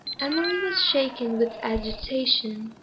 Emily was shaken with agitation.